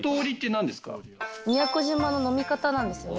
宮古島の飲み方なんですよね？